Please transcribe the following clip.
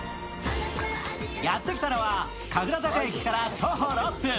やってきたのは神楽坂駅から徒歩６分。